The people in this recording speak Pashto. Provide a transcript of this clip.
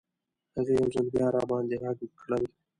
هغې یو ځل بیا راباندې غږ کړل.